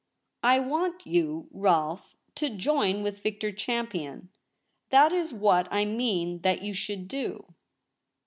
' I want you, Rolfe, to join with Victor Champion. That is what I mean that you should do.'